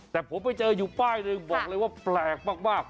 แต่ผมไปเจออยู่ป้ายหนึ่งบอกเลยว่าแปลกมาก